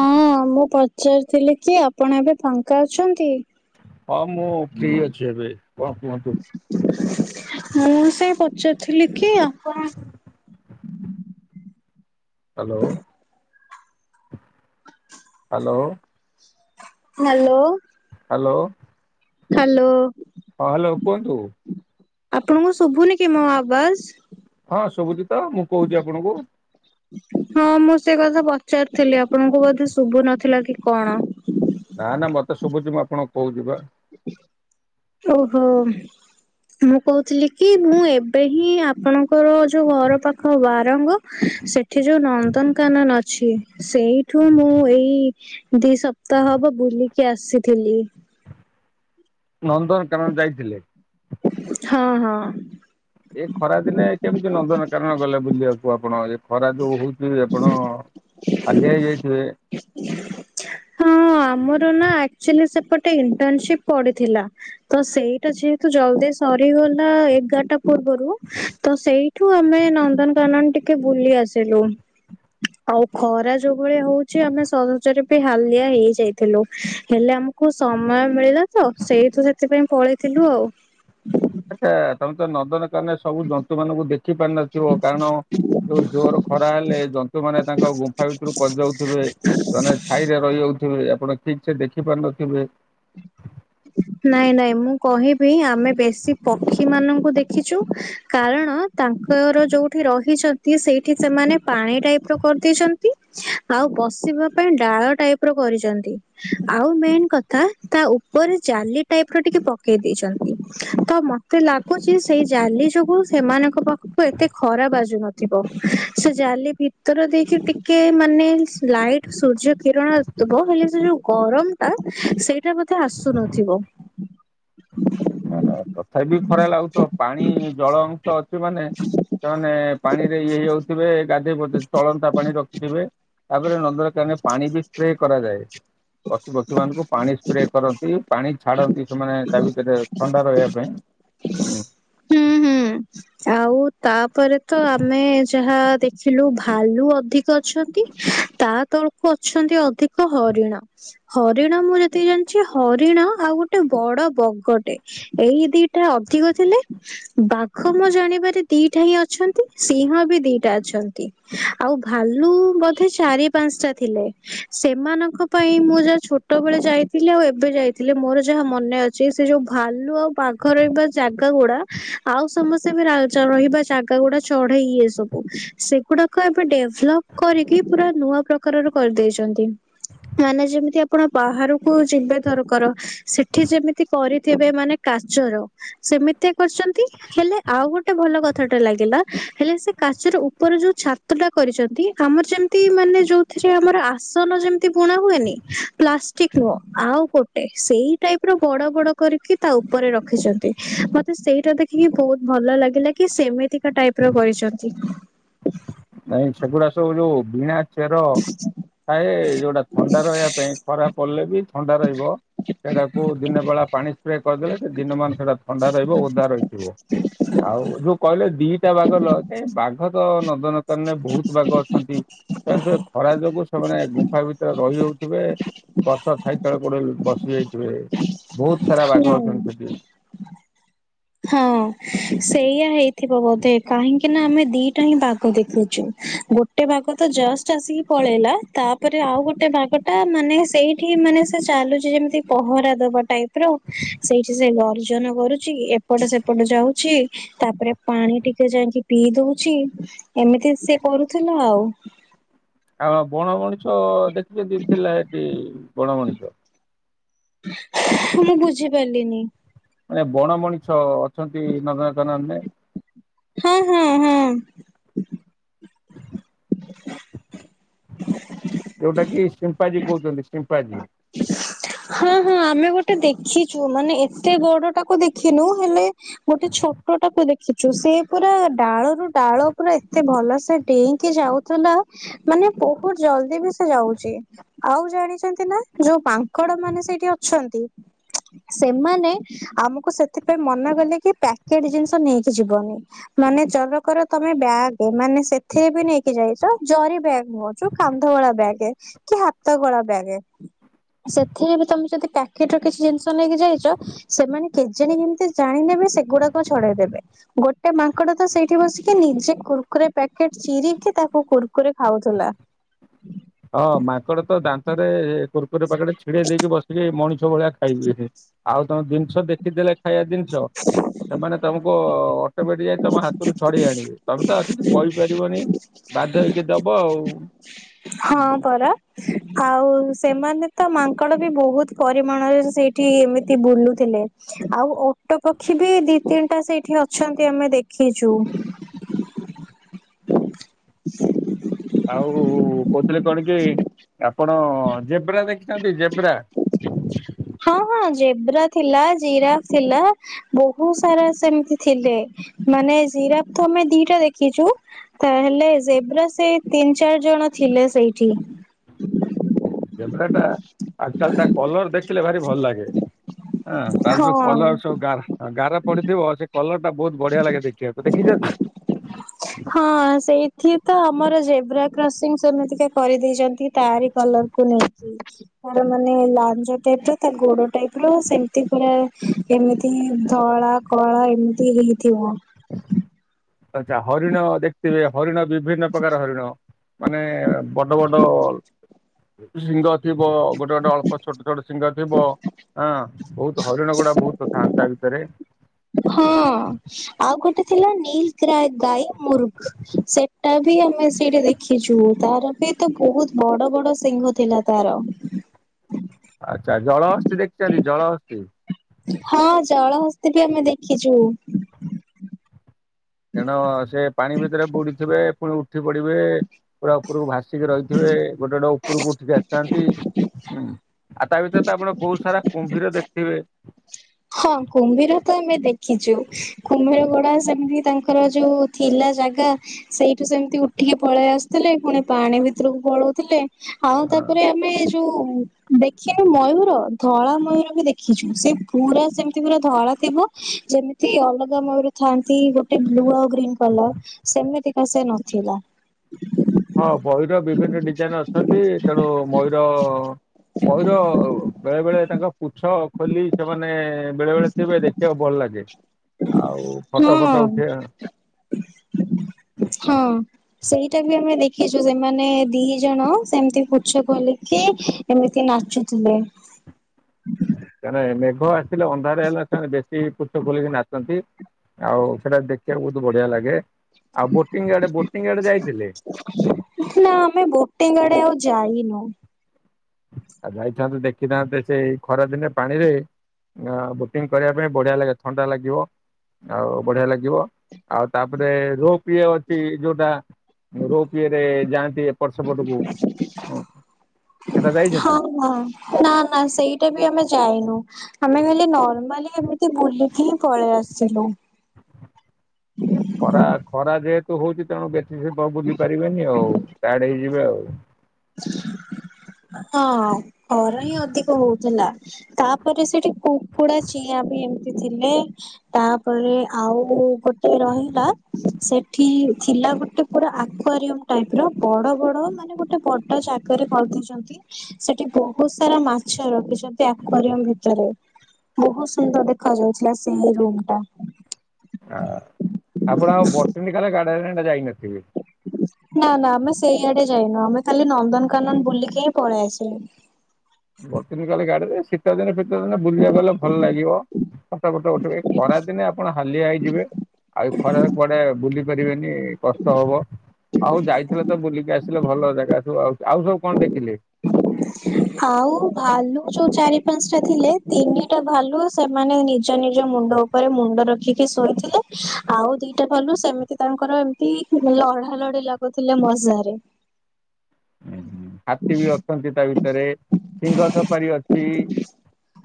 ହଁ ମୁଁ ପଚାରିଥିଲି କି ଆପଣ ଏବେ ଫାଙ୍କା ଅଛନ୍ତି? ହଁ ମୁଁ ଫ୍ରି ଅଛି ଏବେ। କଣ କୁହନ୍ତୁ। ମୁଁ ସେ ପଚାରୁଥିଲି କି ଆପଣ hello hello. Hello. Hello. Hello. ହଁ ହ୍ୟାଲୋ କୁହନ୍ତୁ। ଆପଣଙ୍କୁ ଶୁଭୁନି କି ମୋ ଆବାଜ? ହଁ ଶୁଭୁଚି ତ ମୁଁ କହୁଛି ଆପଣଙ୍କୁ। ହଁ ମୁଁ ସେ କଥା ପଚାରୁଥିଲି ଆପଣଙ୍କୁ ବୋଧେ ଶୁଭୁ ନଥିଲା କି କଣ। ନା ନା ମତେ ଶୁଭୁଛି ମୁଁ ଆପଣଙ୍କୁ କହୁଛି ପା। ଓହୋ। ମୁଁ କହୁଥିଲି କି ମୁଁ ଏବେ ହିଁ ଆପଣଙ୍କର ଯୋଉ ଘର ପାଖ ବାରଙ୍ଗ ସେଠି ଯୋଉ ନନ୍ଦନକାନନ ଅ ଛି ସେଇଠୁ ମୁଁ ଏଇ ଦି ସପ୍ତାହ ହବ ବୁଲିକି ଆସିଥିଲି। ନନ୍ଦନକାନନ ଯାଇଥିଲେ? ହଁ ହଁ। ଏ ଖରା ଦିନେ କେମିତି ନନ୍ଦନ କାନନ ଗଲେ ବୁଲିବାକୁ ଆପଣ ଏ ଖରା ଯୋଉ ହଉଚି। ଆପଣ ହାଲିଆ ହେଇ ଯାଇଥିବେ। ହଁ ଆମର ନା ଆକଚୁଆଲି ସେପଟେ ଇଣ୍ଟର୍ନସିପ ପଡିଥିଲା। ତ ସେଇଟା ଯେହେତୁ ଜଲଦି ସରିଗଲା ଏଗାରଟା ପୂର୍ବରୁ ତ ସେଇ ଠୁ ଆମେ ନନ୍ଦନକାନନ ଟିକେ ବୁଲି ଆସିଲୁ। ଆଉ ଖରା ଯୋଉ ଭଳିଆ ହଉଛି ଆମେ ସହଜରେ ବି ହାଲିଆ ହେଇଯାଇଥିଲୁ ହେଲେ ଆମକୁ ସମୟ ମିଳିଲା ତ ସେଇଠୁ ସେଥିପାଇଁ ପଳେଇଥିଲୁ ଆଉ। ଆଚ୍ଛା ତମେ ନନ୍ଦନକାନନ ସବୁ ଜନ୍ତୁ ମାନଙ୍କୁ ଦେଖି ପାରିନଥିବ। କାରଣ ଯୋଉ ଜୋର ଖରା ହେଲେ ଜନ୍ତୁମାନେ ତାଙ୍କ ଗୁମ୍ଫା ଭିତରୁ ପଶିଯାଉଥିବେ। ମାନେ ଛାଇରେ ରହିଯାଉଥିବେ ଆପଣ ଠିକ ସେ ଦେଖି ପାରିନଥିବେ। ନାଇଁ ନାଇଁ ମୁଁ କହିବି ଆମେ ବେଶୀ ପକ୍ଷୀ ମାନଙ୍କୁ ଦେଖ ଖିଚୁ। କାରଣ ତାଙ୍କର ଯୋଉଠି ରହିଛନ୍ତି ସେଇଠି ସେମାନେ ପାଣି ଟାଇପ ର କରିଦେଇଛନ୍ତି। ଆଉ ବସିବା ପାଇଁ ଡାଳ ଟାଇପ ର କରିଛନ୍ତି, ଆଉ ମେନ୍ କଥା ଥା ତା ଉପରେ ଜାଲି ଟାଇପ ର ଟିକେ ପକେଇ ଦେଇଛନ୍ତି, ତ ମତେ ଲାଗୁଛି ସେଇ ଜାଲି ଯୋଗୁ ସେମାନଙ୍କ ପାଖକୁ ଏତେ ଖରା ବାଜୁନଥିବ, ସେ ଜାଲି ଭିତର ଦେଇକି ଟିକେ ମାନେ ଲାଇଟ ସୂର୍ଯ୍ୟ କିରଣ ଆସୁଥିବ, ହେଲେ ସେ ଯୋଉ ଗରମ ଟା ସେଇଟା ବୋଧେ ଆସୁନଥିବ। ନ ତଥାପି ଖରା ଲାଗୁଥିବ, ପାଣି ଜଳ ଅଂଶ ଅଛି ମାନେ ସେମାନେ ପାଣି ରେ ଇଏ ହେଇଯାଉଥିବେ। ଗାଧୋଇ ପଡୁଥିବେ, ଚଳନ୍ତା ପାଣି ରଖିଥିବେ, ତାପରେ ନଦର କାନେ ପାଣି ବି ସ୍ପ୍ରେ କରାଯାଏ। ପଶୁ ପକ୍ଷୀ ମାନଙ୍କୁ ପାଣି ସ୍ପ୍ରେ କରନ୍ତି, ପାଣି ଛାଡନ୍ତି ସେମାନେ ତା ଭିତରେ ସେ ପାଇଁ ହୁଁ ହୁଁ, ଆଉ ତାପରେ ତ ଆମେ ଯାହା ଦେଖିଲୁ ଭାଲୁ ଅଧି କ ଅଛନ୍ତି, ତା ତଳକୁ ଅଛନ୍ତି ଅଧିକ ହରିଣ। ହରିଣ ମୁଁ ଯେତିକି ଜାଣିଛି, ହରିଣ ଆଉ ଗୋଟେ ବଡ ବଗଟେ, ଏଇ ଦିଟା ଅଧିକ ଥିଲେ ବାଘ ମୋ ଜାଣିବାରେ ଦିଟା ହିଁ ଅଛନ୍ତି, ସିଂହ ବି ଦିଟା। ଅଛନ୍ତି ଆଉ ଭାଲୁ ବୋଧେ ଚାରି ପାଞ୍ଚଟା ଥିଲେ, ସେମାନଙ୍କ ଙ୍କ ପାଇଁ ମୁଁ ଯାହା ଛୋଟ ବେଳେ ଯାଇଥିଲି ଆଉ ଏବେ ଯାଇଥିଲି। ଥିଲେ ମୋର ଯାହା ମନେ ଅଛି, ସେ ଯୋଉ ଭାଲୁ ଆଉ ବାଘରେ ବା ଜାଗା ଗୁଡା ଆଉ ସମସ୍ତେ ବି ରହିବା ଜାଗା ଗୁଡା ଚଢେଇ ଇ ସବୁ, ସେଗୁଡାକ ଏବେ ଡେଭଲପ କରିକି ପୁରା ନୂଆ ପ୍ରକାରର କରିଦେଇଛନ୍ତି। ମାନେ ଯେମିତି ଆପଣ ବାହାରକୁ ଯିବେ ଧର ଙ୍କର ସେଠି ଯେମିତି କରିଥିବେ ମାନେ କାଚର, ସେମିତି କରିଛନ୍ତି। ହେଲେ ଆଉ ଗୋଟେ ଭଲ କଥାଟା ଲାଗିଲା, ହେଲେ ସେ କାଚର ଉପରେ ଯୋଉ ଛାତ ଟା କରିଛନ୍ତି ଆମର ଯେମତି ମାନେ ଯୋଉଥିରେ ଆମର ଆସନ ଯେମତି ବୁଣା ହୁଏନି ଠିକ୍ ନୁହଁ ଆଉ କ ସେଇ ଟାଇପ ର ବଡ ବଡ କରିକି, ତା ଉପରେ ରଖିଛନ୍ତି, ମତେ ସେଇଟା ଦେଖ ବହୁତ ଭଲ ଲାଗିଲା କି -ସେମିତିକା ଟାଇପ ର କରିଛନ୍ତି। ନାଇଁ ସେଗୁଡ଼ା ସବୁ ଯୋଉ ଭିଣା ଚେର ଥାଏ, ଯୋଉଟା ଥଣ୍ଡା ରହିବା ପାଇଁ, ଖରାପ ପଡ଼ିଲେ ବି ଥଣ୍ଡା ରହିବ। ସେଇଟାକୁ ଦିନେ ବେଳା ପାଣି ସ୍ପ୍ରେ କରିଦେଲେ ଯେ ଦିନମାନ ସେଟା ଥଣ୍ଡା ରହିବ, ଓଦା ରହିଥିବ। ଆଉ ଯୋଉ କହିଲେ ଦିଟା ବାଘ ଲ ବାଘ ତ ନଦନ [unintelligible] ବହୁତ ବାଘ ଅଛନ୍ତି, ସେ ଖରା ଯୋଗୁ ସେମାନେ ଗୁମ୍ଫା ଭିତରେ ରହିଯାଉଥିବେ? ଗଛ ଛାଇ ତଳେ କୋଉଠେ ବସି ଯାଇଥିବେ, ବହୁତ ସାରା ବାଘ ହୁଁ ଅଛନ୍ତି ସେଠି। ହଁ ସେଇୟଆ ହେଇଥିବ ବୋଧେ, କାହିଁକି ନା ଆମେ ଦିଟା ହିଁ ବାଘ ଦେଖୁଛୁ, ଗୋ ଗୋଟେ ବାଘ ତ ଜଷ୍ଟ ଆସିକି ପଳେଇଲା, ତାପରେ ଆଉ ଗୋଟେ ବାଘ ଟା ମାନେ ସେଇ ସେଠି ମାନେ ସେ ଚାଲୁଛି ଯେମିତି ପହରା ଦବା ଟାଇପ ର, ସେଇଠି ସେ ଗର୍ଜନ କରୁଛି। ଏପଟ ସେପଟ ଯାଉଛି, ତାପରେ ପାଣି ଟିକେ ଯାଇକି ପିଇ ଦଉଛି। ଏମିତି ସେ କରୁଥିଲା ଆଉ। ହଁ, ବଣ ମଣିଷ ଦେଖିଛନ୍ତି ଥିଲା ଏଠି, ବଣ ମଣିଷ? ମୁଁ ବୁଝିପାରିଲିନି। ମାନେ ବଣ ମଣିଷ ଅଛନ୍ତି ନନ୍ଦନ କାନନ ରେ ହଁ ହଁ ହଁ ଯୋଉଟା କି ସିମ୍ପାଜୀ କହୁଛନ୍ତି ସିମ୍ପାଜୀ। ହଁ ହଁ ଆମେ ଗୋଟେ ଦେଖିଛୁ ମାନେ ଏତେ ଗୋଡଟାକୁ ଦେଖିନୁ, ହେଲେ ଗୋଟେ ଛୋଟଟାକୁ ଦେଖିଛୁ, ସେ ପୁରା ଡାଳରୁ ଡାଳ ପୁରା ଏତେ ଭଲସେ ଡେଇଁକି ଯାଉ ଥିଲା, ମାନେ ବହୁତ ଜଲଦି ବି ସେ ଯାଉଛି, ଆଉ ଜାଣିଛନ୍ତି ନା? ଯୋଉ ମାଙ୍କଡ ମାନେ ସେଇଠି ଅଛନ୍ତି? [inaudible] ସେମାନେ ଆମକୁ ସେଥିପାଇଁ ମନା ଗଲେ କି ପ୍ୟାକେଟ ଜିନିଷ ନେଇକି ଯିବନି। ମାନେ ଚରକର ତମେ ବ୍ୟାଗ, ମାନେ ସେଥିରେ ବି ନେଇକି ଯାଇଛ, ଜରି ବ୍ୟାଗ୍ ନୁହଁ, ଯୋଉ କାନ୍ଧଗଳା ବ୍ୟାଗେ କି ହାତଗଳା ବ୍ୟାଗେ? ସେଥିରେ ବି ତମେ ଯଦି ପ୍ୟାକେଟ ର କିଛି ଜିନିଷ ନେଇକି ଯାଇଚ ସେମାନେ କେଜାଣି କେମିତି ଜାଣି ନେବେ ସେଗୁରାକ ଛଡ଼ାଇଦେବେ। ଗୋଟେ ମାଙ୍କଡ ତ ସେଇଠି ବସିକି ନିଜେ କୁର୍କୁରେ ପ୍ୟାକେଟ ଚିରିକି ତାକୁ କୁର୍କୁରି ଖାଉଥୁଲା। ଅଁ ମାଙ୍କଡ ତ ଦାନ୍ତରେ କୁର୍କୁରି ପାକେଟେ ଛିଡେଇ ଦେଇକି ବସିକି ମଣିଷ ଭଳିଆ ଖାଇବେ। ଆଉ ତମ ଦିନିଷ ଦେଖିଦେଲେ ଖାୟା ଦିନିଷ ସେମାନେ ତମକୁ ଅ [unintelligible] ତମ ହାତରୁ ଛଡେଇ ଆଣିବେ। ତମେ ତ ଆ [unintelligible] କଇପାରିବନି ବାଧ୍ୟ ହେଇକି ଦବ ଆଉ। ହଁ ପରା। ଆଉ ସେମାନେ ତ ମାଙ୍କଡ ବି ବହୁତ୍ ପରିମାଣରେ ସେଇଠି ଏମିତି ବୁଲୁଥିଲେ। ଆଉ ଓଟୋ ପକ୍ଷୀ ବି ଦି, ତିନ୍ ଟା ସେଇଠି ଅଛନ୍ତି ଆମେ ଦେଖିଚୁ। ଆଉ କଉତିଲେ କଣ କି ଆପଣ ଜେବ୍ରା ଦେଖିଚନ୍ତି ଜେବ୍ରା? ହଁ ହଁ ଜେବ୍ରା ଥିଲା ଜିରାଫ୍ ଥିଲା। ବହୁ ସାରା ସେମିତି ଥିଲେ ମାନେ ଜିରାପ୍ ତ ଆମେ ଦିଟା ଦେଖିଚୁ ତାହେଲେ ଜେବ୍ରା ସେଇ ତିନ୍, ଚାର୍ ଜଣ ଥିଲେ ସେଇଠି। ଜେବ୍ରା ଟା ଆକ୍ଚ଼ଲ ତା କଲର ଦେଖିଲେ ଭାରି ଭଲ ଲାଗେ। ଆଁ ତାର ଯୋଉ ହଁ। କଲର ସବ୍ ଗାର୍ ଆଁ ଗାର ପଡିଥିବ ସେ କଲର ଟା ବହୁତ୍ ବଢିଆ ଲାଗେ ଦେଖିଆକୁ ଦେଖିଚ [inaudible] ହଁ ସେଇଠି ତ ଆମର ଜେବ୍ରା କ୍ରସିଂ ସେମିତିକା କରିଦେଇଚନ୍ତି ତାରି କଲମ୍। କୁ ନେଇକି ତାରି ମାନେ ଲାଞ୍ଜ ଟାଇପ୍ ର ତା ଗୋଡ ଟାଇପ୍ ର ସେମିତି ପୁରା ଏମିତି ହିଁ ଧଳା, କଳା ଏମିତି ହେଇଥିବ। ଆଚା ହରିଣ ଦେଖଥିବେ ହରିଣ ବିଭିନ୍ନ ପ୍ରକାର ହରିଣ ମାନେ ବଡ ବଡ ଶିଂଗ ଥିବ ଗୋଟେ ଗୋଟେ ଅଳ୍ପ ଛୋଟ୍ ଟ [unintelligible] ସିଂଗ ଥିବ ଆଁ ବହୁତୁ ହରିଣ ଗୁଡା ବହୁତ ଥାନ୍ତି ତା ଭିତରେ। ହଁ। ଆଉ ଗୋଟେ ଥିଲା ନୀଲକ୍ରାଏ ଗାଈ ମୁରୁଗ୍ ସେଟା ବି ଆମେ ସେଇଠି ଦେ ଖିଚୁ ତାର ବି ତ ବହୁତ୍ ବଡ ବଡ ସିଂଘ ଥିଲା ତାର। ଆଚ୍ଛା ଜଳହସ୍ତି ଦେଖିଚ଼ନ୍ତି ଜଳହସ୍ତି? ହଁ ଜଳହସ୍ତି ଟି ଆମେ ଦେଖିଚୁ। ତେଣ ସେ ପାଣି ଭିତରେ ବୁଡିଥିବେ ପୁଣି ଉଠି ପଡିବେ ପୁରା ଉପରକୁ ଭାସ୍ ସିକି ରହିଥିବେ ଗୋଟେ ଗୋଟେ ଉପକୁ ଉଠିକି ଆ ତାନ୍ତି ଉଁ ଆଉ ତା ଭିତରେ ତ ଆପଣ ବହୁ ସାରା କୁମ୍ଭୀର ଦେକତିବେ? ହଁ କୁମ୍ଭୀର ତ ଆମେ ଦେଖିଚୁ କୁମ୍ଭୀର ଗୋଡା ସେମିତି ତାଙ୍କର ଯୋଉ ଥିଲା ଜାଗା ସେଇଠୁ ସେମିତି ଉଠିକି ପଳେଇ ଆସୁଥିଲେ ପୁଣି ପାଣି ଭିତରୁକୁ ପଳଉଥିଲେ। ଅଁ ହଁ। ତାପରେ ଆମେ ଯୋଉ ଦେଖିନୁ ମୟୂର ଧଳା ମୟୂର ବି ଦେଖିଚୁ। ସେ ପୁରା ସେମିତି ପୁରା ଧଳା ଥିବ ଯେମିତି ଅଲଗା ମୟୁର ଥାନ୍ତି ଗୋଟେ ବ୍ଲୁ ଆଉ ଗ୍ ଗୀନ୍ କଲର୍ ସେମିତିକା ସେ ନଥିଲା। ହଁ ମୟୂର ବିଭିନ୍ନ ଡିଜାଇନ୍ ଅଛନ୍ତି ତେଣୁ ମୟୂର ମୟୂର ବେଳେ ବେଳେ ତାଙ୍କ ପୁଚ୍ଛ ଖୋଲି ସେମାନେ ବେଳେ ବେଳେ ଥିବେ ଦେଖିଆକୁ ଭଲ ଲାଗେ ଆଉ ହଁ ଫଟ ଫଟ ଉଠେଆଁ ହଁ। ସେଇଟା ବି ଆମେ ଦେଖିଚୁ ସେମାନେ ଦି ଜଣ ସେମିତି ପୁଚ୍ଛ ଖୋଲିକି ଏମିତି ନାଚୁଥୁଲେ। ତାନାଏ ମେଘ ଆସିଲେ ଅନ୍ଧାର ଏଲା ତାମାନେ ବେଶୀ ପୁଚ୍ଛ ଖୋଲିକି ନାଚନ୍ତି। ଆଉ ସେଟା ଦେଖିଆକୁ ବହୁତୁ ବଢିଆ ଲାଗେ। ଆଉ ବୋଟିଂ ଆଡେ ବୋଟିଂ ଆଡେ ଯାଇଥିଲେ? ନାଁ ଆମେ ବୋଟିଂ ଆଡେ ଆଉ ଯାଇନୁ। ଆଉ ଯାଇଥାନ୍ତୁ ଦେଖିଥାନ୍ତେ ସେ ଖରାଦିନେ ପାଣିରେ ଆ ବୋଟିଂ କରିଆ ପାଇଁ ବଢିଆ ଲାଗେ ଥଣ୍ଡା ଲାଗିବ। ଆଉ ବଢିଆ ଲାଗିବ ଆଉ ତାପରେ ରୋଗ ପିଏ ଅଛି ଯୋଉଟା ରୋଗିରେ ଯାଆନ୍ତି ଏପଟ ସେପଟକୁ। ସେଟା ହଁ ଯାଇଛନ୍ତି? ହଁ ନା ନା ସେଇଟା ବି ଆମେ ଯାଇନୁ। ଆମେ ଖାଲି ନର୍ମାଲି ଏମିତି ବୁଲିକି ହିଁ ପଳେଇ ଆସିଲୁ। ଖରା ଖରା ଯେହେତୁ ହଉଛି ତେଣୁ ବେଶୀ ସମୟ ବୁଲି ପାରିବେନି ଆଉ ଟାଏଡ ହେଇ ଯିବେ ଆଉ। ହଁ। ଘର ହିଁ ଅଧିକ ହଉଥିଲା ତାପରେ ସେଠି କୁକୁଡା ଚିଆଁ ବି ବି ଥିଲେ। ତାପରେ ଆଉ ଗୋଟେ ରହିଲା ସେଠି ଥିଲା ଗୋଟେ ପୁରା ଆକ୍ୱାରିୟମ ଟାଇପ ର ବଡ ବଡ ମାନେ ଗୋଟେ ବଡ଼ ଜାଗାରେ ପାଳତିଚନ୍ତି। ସେଠି ବହୁତ ସାରା ମାଛ ରଖିଛନ୍ତି ଆକ୍ଵାରିୟମ ଭିତରେ। ବହୁତ ସୁନ୍ଦର ଦେଖା ଯାଉଥିଲା ସେଇ ରୁମଟା। ଆ ଆପଣ ଆଉ ବଟିନକାଲା ଗାର୍ଡେନ ଆଡେ ଯାଇନଥିବେ। ନା ନା ଆମେ ସେଇଆଡେ ଯାଇନୁ ଆମେ ଖାଲି ନନ୍ଦନକାନନ ବୁଲିକି ହିଁ ପଳେଇଆସିଲୁ। ବଟିନିକାଲ ଗାର୍ଡେନ ଶୀତ ଦିନ ଫିତ ଦିନେ ବୁଲିବାକୁ ଗଲେ ଭଲ ଲାଗିବ। ଫଟ ଫଟ ଉଠେଇବେ ଏ ଖରାଦିନେ ଆପଣ ହାଲିଆ ହେଇଯିବେ। ଆଉ ଏ ଖରାରେ କୁଆଡେ ବୁଲି ପାରିବେନି କଷ୍ଟ ହବ। ଆଉ ଯାଇଥିଲେ ତ ବୁଲିକି ଆସିଲେ ଭଲ ଜାଗା ସବୁ ଆ ଆଉ ସବୁ କଣ ଦେଖିଲେ? ଆଉ ଭାଲୁ ଯୋଉ ଚାରି ପାଞ୍ଚଟା ଥିଲେ ତିନିଟା ଭାଲୁ ସେମାନେ ନିଜ ନିଜ ମୁଣ୍ଡ ଉପରେ ମୁଣ୍ଡ ରଖିକି ଶୋଇଥିଲେ ଆଉ ଦିଟା ଭାଲୁ ସେମିତି ତାଙ୍କର ଏମିତି ଲଢା ଲଢି ଲାଗୁଥିଲେ ମଜାରେ। ହୁଁ ହାତୀ ବି ଅଛନ୍ତି ତା ଭିତରେ ସିଂହ ସପାରି ଅଛି। [inaudible]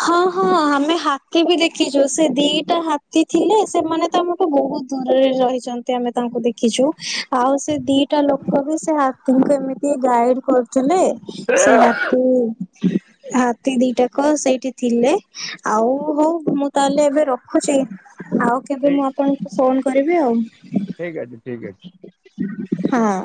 ହଁ ହଁ ଆମେ ହାତୀ ବି ଦେଖିଛୁ ସେ ଦିଟା ହାତୀ ଥିଲେ ସେମାନେ ତମ ବହୁତ ଦୂରରେ ରହିଛନ୍ତି ଆମେ ତାଙ୍କୁ ଦେଖିଛୁ। ଆଉ ସେ ଦିଟା ଲୋକ ବି ସେ ହାତୀଙ୍କୁ ଏମିତି ଗାଇଡ କରୁଥିଲେ। ସେ ଠିକ ହାତୀ ହାତୀ ଦିଟାକ ସେଇଠି ଥିଲେ ଆଉ ହଉ ମୁଁ ତାହେଲେ ଏବେ ରଖୁଛି। ଆଉ କେବେ ମୁଁ ଆପଣଙ୍କୁ ଫୋନ କରିବି ଆଉ। ଠିକ ଅଛି ଠିକ ଅଛି। ହଁ।